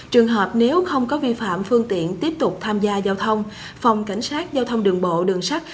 trường hợp nếu không có vi phạm phương tiện tiếp tục tham gia giao thông phòng cảnh sát giao thông đường bộ đường sắt